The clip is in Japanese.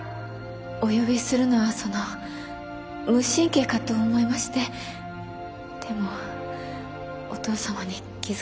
お呼びするのはその無神経かと思いましてでもお父様に気付かれてしまって。